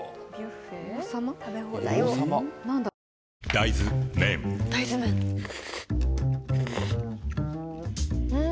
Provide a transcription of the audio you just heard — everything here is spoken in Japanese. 大豆麺ん？